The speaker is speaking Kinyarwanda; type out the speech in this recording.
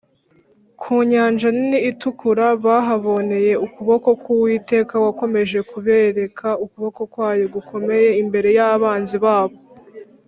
ku Nyanja Nini itukura bahaboneye ukuboko k’Uwiteka wakomeje kubereka ukuboko kwayo gukomeye imbere y’abanzi babo.